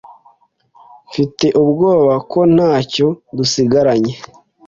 Mfite ubwoba ko ntacyo dusigaranye.